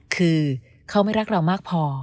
คือเขาไม่รักเรามากพอ